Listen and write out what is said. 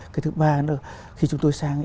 cái thứ ba nữa khi chúng tôi sang